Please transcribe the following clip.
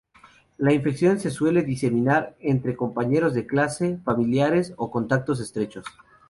La infección se suele diseminar entre compañeros de clase, familiares o contactos estrechos.